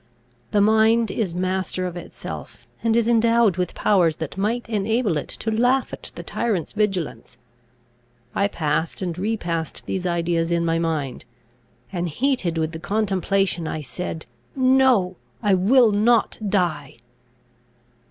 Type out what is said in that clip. The mind is master of itself; and is endowed with powers that might enable it to laugh at the tyrant's vigilance." I passed and repassed these ideas in my mind; and, heated with the contemplation, I said, "No, I will not die!"